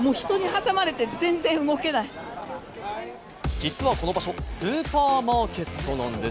実はこの場所、スーパーマーケットなんです。